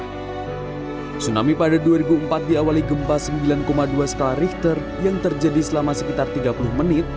tsunami pada dua ribu empat diawali gempa sembilan dua skala richter yang terjadi selama sekitar tiga puluh menit